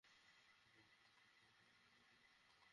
বাতাসের কারণেই কি এটা এমন হলো?